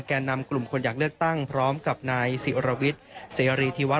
แก่นำกลุ่มคนอยากเลือกตั้งพร้อมกับนายศิรวิทย์เสรีธิวัฒ